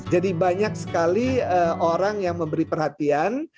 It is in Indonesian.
jadi banyak sekali orang yang memberi pertanian